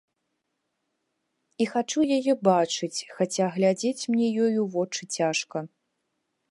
І хачу яе бачыць, хаця глядзець мне ёй у вочы цяжка.